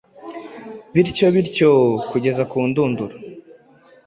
bityo bityo kugeza ku ndunduro.